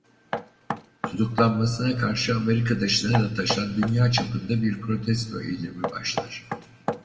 Tutuklanmasına karşı Amerika dışına da taşan dünya çapında bir protesto eylemi başlar.